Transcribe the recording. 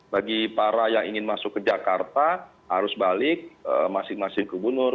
bagi para yang ingin masuk ke jakarta harus balik masing masing gubernur